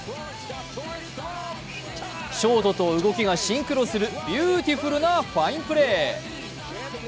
ショートと動きがシンクロするビューティフルなファインプレー。